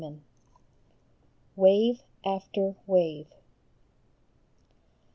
141 WAVE AFTER WAVE.